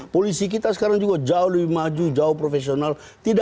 polisi kita sekarang juga jauh lebih maju jauh profesional